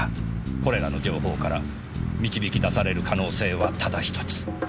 これらの情報から導き出される可能性はただ１つ。